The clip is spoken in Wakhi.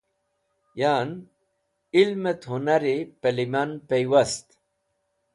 Yan ilmẽt hũnari pẽ lẽman pẽywast.